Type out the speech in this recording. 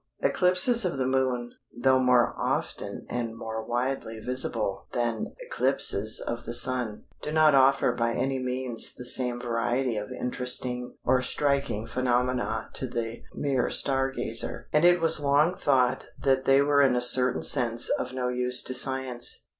Eclipses of the Moon, though more often and more widely visible than eclipses of the Sun, do not offer by any means the same variety of interesting or striking phenomena to the mere star gazer, and it was long thought that they were in a certain sense of no use to science.